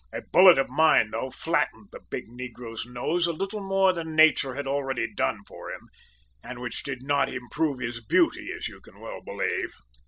A bullet of mine, though, flattened the big negro's nose a little more than Nature had already done for him, and which did not improve his beauty, as you can well believe.